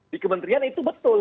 di kementerian itu betul